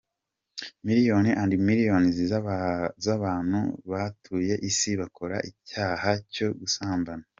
Millions and millions z’abantu batuye isi bakora icyaha cyo gusambana.